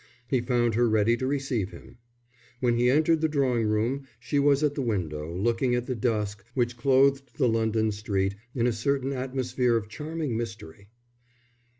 He found her ready to receive him. When he entered the drawing room she was at the window, looking at the dusk which clothed the London street in a certain atmosphere of charming mystery.